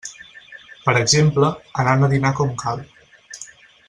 Per exemple, anant a dinar com cal.